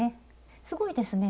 すごいですね